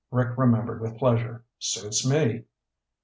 Rick remembered with pleasure. "Suits me."